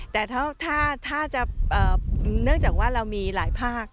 แต่ถ้าเนื่องจากว่าเรามีหลายภาค